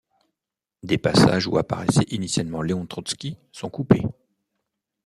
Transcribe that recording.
Des passages où apparaissait initialement Léon Trotski sont coupés.